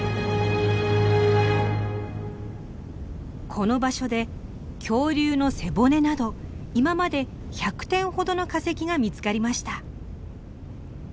この場所で恐竜の背骨など今まで１００点ほどの化石が見つかりました。